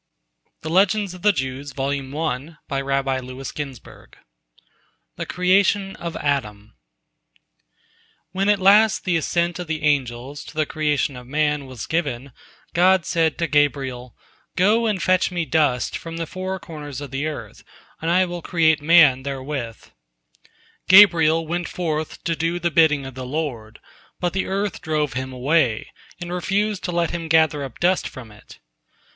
THE CREATION OF ADAM When at last the assent of the angels to the creation of man was given, God said to Gabriel: "Go and fetch Me dust from the four corners of the earth, and I will create man therewith." Gabriel went forth to do the bidding of the Lord, but the earth drove him away, and refused to let him gather up dust from it.